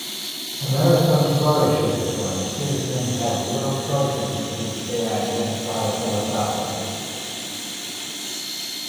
America flourishes when its citizens have real choices with which they identify philosophically.